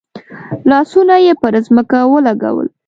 لاسونه یې پر ځمکه ولګول.